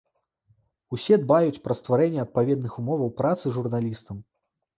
Усе дбаюць пра стварэнне адпаведных умоваў працы журналістам.